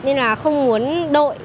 nên là không muốn đội